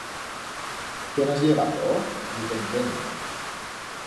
Tu en has llevato? Ni te'n pene.